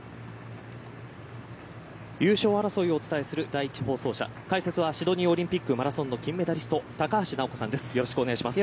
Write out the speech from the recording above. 優勝争いをお伝えする第１放送車解説はシドニーオリンピックマラソン金メダリスト高橋尚子さんです。